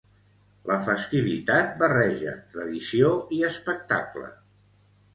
La festivitat barreja tradició i espectacle.